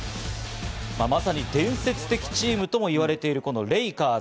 まさに伝説的チームとも言われている、このレイカーズ。